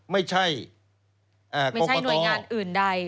ไม่ใช่คุกกระต้องไม่ใช่หน่วยงานอื่นใด